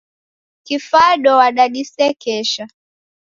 Kifado wadadisekesha.